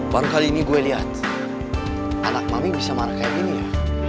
baru kali ini gue lihat anak mami bisa marah kayak gini ya